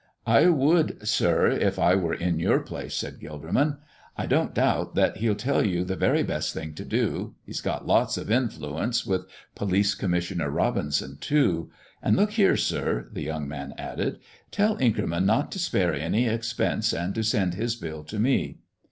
"I would, sir, if I were in your place," said Gilderman. "I don't doubt that he'll tell you the very best thing to do. He's got lots of influence with Police Commissioner Robinson, too. And look here, sir," the young man added, "tell Inkerman not to spare any expense and to send his bill to me."